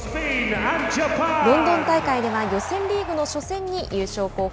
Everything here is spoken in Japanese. ロンドン大会では予選リーグの初戦に優勝候補